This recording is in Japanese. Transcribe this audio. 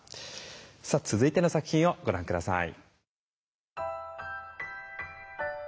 さあ続いての作品をご覧下さい。